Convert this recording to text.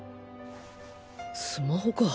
スマホか。